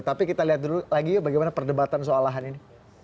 tapi kita lihat dulu lagi yuk bagaimana perdebatan soal lahan ini